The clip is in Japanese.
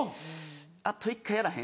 「あと１回やらへん？